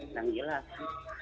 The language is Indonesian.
apa yang mau disampaikan